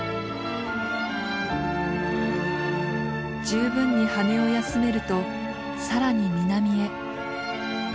十分に羽を休めると更に南へ。